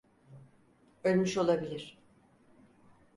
Ölmüş olabilir.